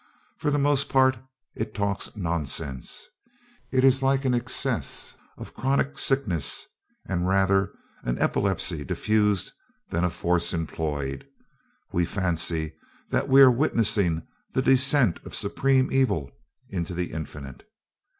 For the most part it talks nonsense; it is like an access of chronic sickness, and rather an epilepsy diffused than a force employed; we fancy that we are witnessing the descent of supreme evil into the infinite.